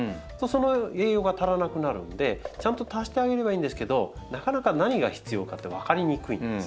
その栄養が足らなくなるんでちゃんと足してあげればいいんですけどなかなか何が必要かって分かりにくいんです。